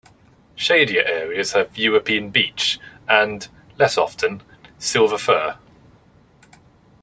Shadier areas have European beech and, less often, silver fir.